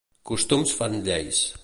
Costums fan lleis.